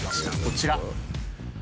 こちら！